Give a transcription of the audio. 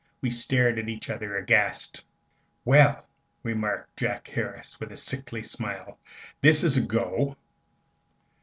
We stared at each other, aghast. "Well," remarked Jack Harris, with a sickly smile, "this is a go!"